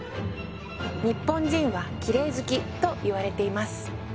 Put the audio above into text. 「日本人はきれい好き」と言われています。